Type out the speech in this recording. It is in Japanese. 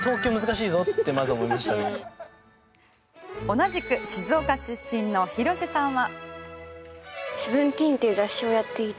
同じく静岡出身の広瀬さんは。